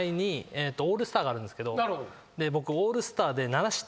僕。